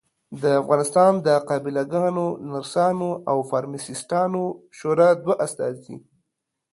د افغانستان د قابلګانو ، نرسانو او فارمیسټانو شورا دوه استازي